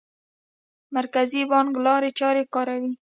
مرکزي بانک لارې چارې کاروي.